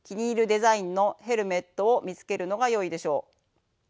デザインのヘルメットを見つけるのがよいでしょう。